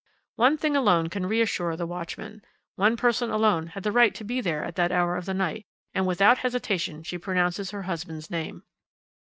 "One thing alone can reassure the watchman. One person alone had the right to be there at that hour of the night, and without hesitation she pronounces her husband's name.